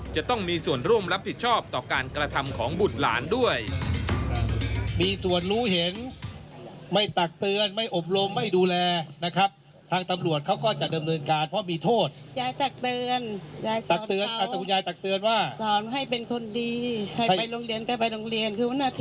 จะต้องมีส่วนร่วมรับผิดชอบต่อการกระทำของบุตรหลานด้วย